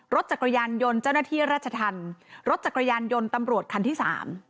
รถจักรยานยนต์เจ้าหน้าที่ราชธรรมรถจักรยานยนต์ตำรวจคันที่สาม